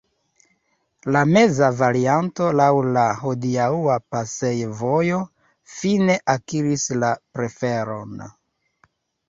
La meza varianto laŭ la hodiaŭa pasejvojo fine akiris la preferon.